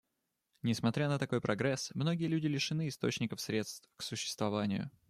Несмотря на такой прогресс, многие люди лишены источников средств к существованию.